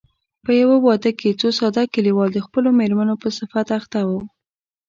په يوه واده کې څو ساده کليوال د خپلو مېرمنو په صفت اخته وو.